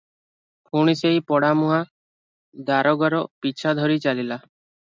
ପୁଣି ସେହି ପୋଡ଼ାମୁହାଁ ଦାରୋଗାର ପିଛା ଧରି ଚାଲିଛି ।